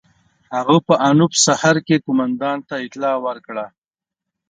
هغه په انوپ سهر کې قوماندان ته اطلاع ورکړه.